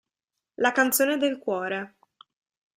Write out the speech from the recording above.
La canzone del cuore